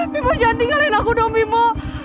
mimmo jangan tinggalin aku dong mimmo